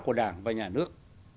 của đảng và nhà nước